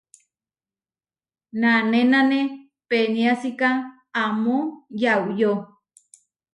Nanénane peniásika amó yauyó.